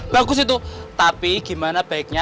bagus itu tapi gimana baiknya